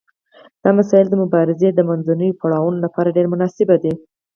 دا مسایل د مبارزې د منځنیو پړاوونو لپاره ډیر مناسب دي.